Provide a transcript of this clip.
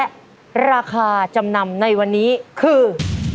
และราคาจำนำในวันนี้คือ